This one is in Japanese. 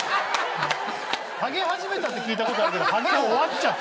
ハゲ始めたって聞いたことあるけどハゲ終わっちゃった？